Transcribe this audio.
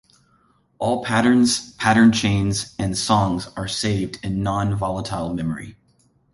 All patterns, pattern chains, and songs are saved in non-volatile memory.